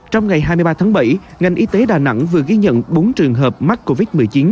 trong ngày hai mươi ba tháng bảy ngành y tế đà nẵng vừa ghi nhận bốn trường hợp mắc covid một mươi chín